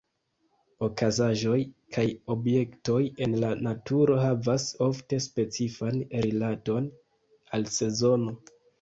Okazaĵoj kaj objektoj en la naturo havas ofte specifan rilaton al sezono.